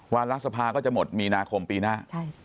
รัฐสภาก็จะหมดมีนาคมปีหน้า